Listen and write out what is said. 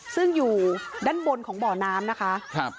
ซึ่งอยู่ด้านบนของบ่อน้ำนะคะ